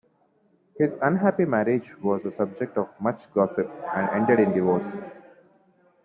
His unhappy marriage was a subject of much gossip, and ended in divorce.